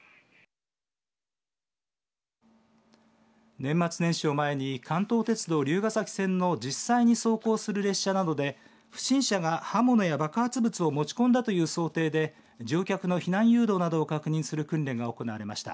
年末年始を前に関東鉄道竜ヶ崎線の実際に走行する列車などで不審者が刃物や爆発物を持ち込んだという想定で乗客の避難誘導などを確認する訓練が行われました。